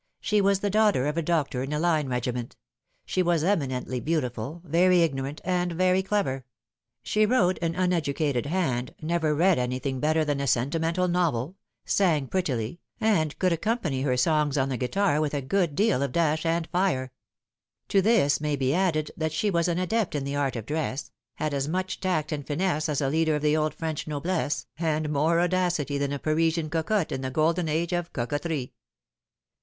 She was the daughter of a doctor in a line regiment ; she was eminently beautiful, very ignorant, and very clever, bhe wrote an uneducated hand, never F 82 Th Fatal Three. read anything better than a sentimental novel, sang prettily, and could accompany her songs on the guitar with a good deal of dash and fire. To this may be added that she was an adept in the art of dress, had as much tact and finesse as a leader of the old French noblesse, and more audacity than a Parisian cocotte in the golden age of Cocotterie.